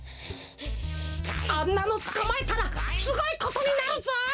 あんなのつかまえたらすごいことになるぞ！